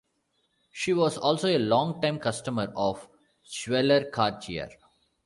She was also a longtime customer of jeweller Cartier.